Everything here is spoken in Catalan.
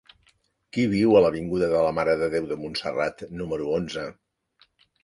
Qui viu a l'avinguda de la Mare de Déu de Montserrat número onze?